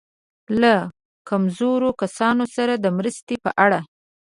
له کمزورو کسانو سره د مرستې په اړه.